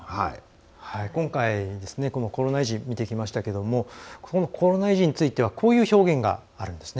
今回、このコロナ遺児見てきましたけれどもコロナ遺児についてはこういう表現があるんです。